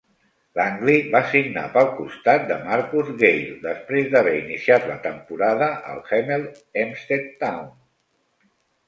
Langley va signar pel costat de Marcus Gayle després d'haver iniciat la temporada al Hemel Hempstead Town.